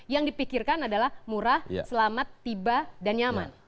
yang dipikirkan adalah murah selamat tiba dan nyaman